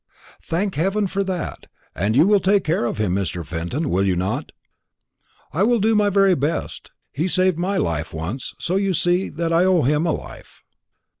"Thank heaven for that! And you will take care of him, Mr. Fenton, will you not?" "I will do my very best. He saved my life once; so you see that I owe him a life."